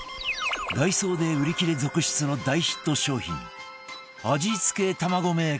ダイソーで売り切れ続出の大ヒット商品